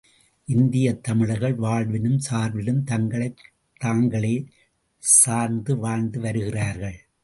இந்தியத் தமிழர்கள் வாழ்வினும் சாவினும் தங்களைத் தாங்களே சார்ந்து வாழ்ந்து வருகிறார்கள்.